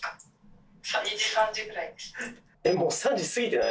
えっもう３時過ぎてない？